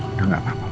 udah gak apa apa echo